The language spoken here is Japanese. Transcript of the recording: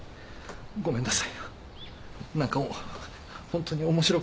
ごめんなさい。